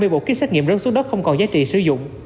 hai mươi bộ kit xét nghiệm rớt xuống đất không còn giá trị sử dụng